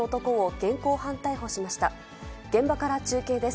現場から中継です。